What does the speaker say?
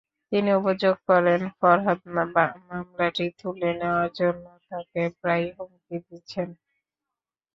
তিনি অভিযোগ করেন, ফরহাদ মামলাটি তুলে নেওয়ার জন্য তাঁকে প্রায়ই হুমকি দিচ্ছেন।